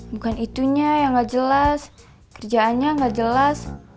bukan itunya yang gak jelas kerjaannya gak jelas